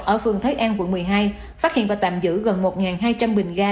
ở phường thới an quận một mươi hai phát hiện và tạm giữ gần một hai trăm linh bình ga